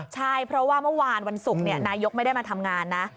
ใช่เพราะว่าเมื่อวานวันศุกร์นายกไม่ได้มาทำงานนะ